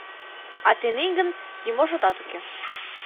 А тений гын нимо шотат уке.